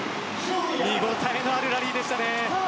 見応えのあるラリーでした。